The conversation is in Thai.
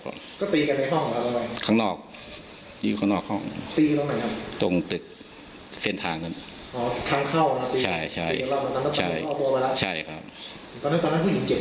ตอนนั้นผู้หญิงเจ็บเยอะไหมครับพวกนั้น